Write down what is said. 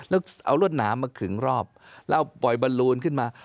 แล้วเอารวดหนามมาขึงรอบแล้วเอาปล่อยบอลลูนขึ้นมา